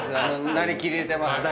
成り切れてます。